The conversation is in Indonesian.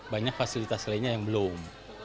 banyak fasilitas lainnya yang belum